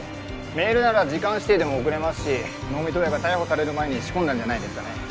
メールなら時間指定でも送れますし能見冬馬が逮捕される前に仕込んだんじゃないですかね。